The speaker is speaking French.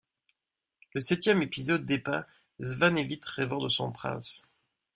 Le septième épisode dépeint Svanevit rêvant de son prince.